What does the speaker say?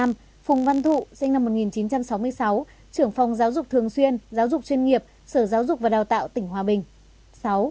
hai phùng văn thụ sinh năm một nghìn chín trăm sáu mươi sáu trưởng phòng giáo dục thường xuyên giáo dục chuyên nghiệp sở giáo dục và đào tạo tỉnh hòa bình